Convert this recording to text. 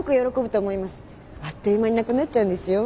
あっという間になくなっちゃうんですよ。